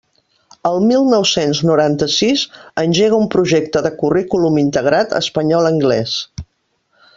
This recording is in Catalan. En mil nou-cents noranta-sis, engega un projecte de currículum integrat espanyol anglés.